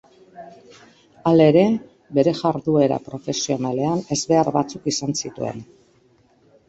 Halere, bere jarduera profesionalean ezbehar batzuk izan zituen.